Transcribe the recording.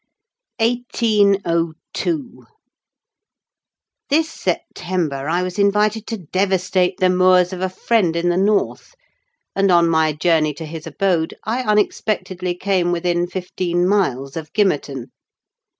CHAPTER XXXII 1802.—This September I was invited to devastate the moors of a friend in the north, and on my journey to his abode, I unexpectedly came within fifteen miles of Gimmerton.